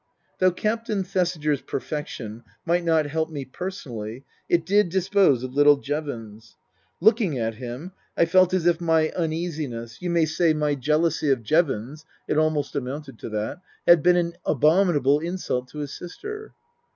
Though Captain Thesiger's perfection might not help me personally, it did dispose of little Jevons. Looking at him, I felt as if my uneasiness, you may say my jealousy 40 Tasker Jevons of Jevons (it almost amounted to that) had been an abominable insult to his sister.